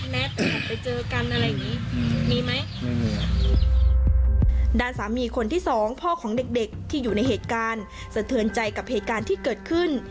ด้านสามีคนที่สองพ่อของเด็กเด็กที่อยู่ในเหตุการณ์สะเทือนใจกับเหตุการณ์ที่เกิดขึ้น